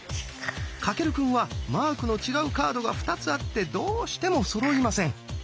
翔くんはマークの違うカードが２つあってどうしてもそろいません。